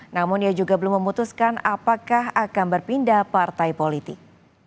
namun ia juga belum memutuskan apakah akan berpindah partai politik